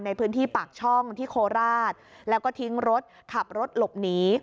ในพื้นที่ปากช่องที่โคราชแล้วก็ทิ้งรถขับรถหลบหนี